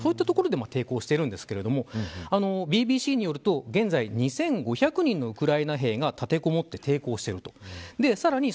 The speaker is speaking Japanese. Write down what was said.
こういった所で抵抗しているんですがＢＢＣによると現在２５００人のウクライナ兵が立てこもって抵抗していると。